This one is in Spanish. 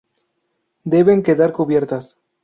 Deben quedar cubiertas.